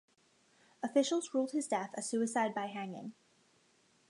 Officials ruled his death a suicide by hanging.